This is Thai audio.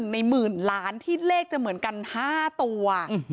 ในหมื่นล้านที่เลขจะเหมือนกัน๕ตัว